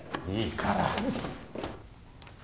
いいから。